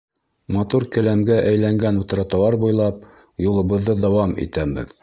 Матур келәмгә әйләнгән тротуар буйлап юлыбыҙҙы дауам итәбеҙ.